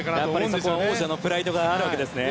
そこは王者のプライドがあるわけですね。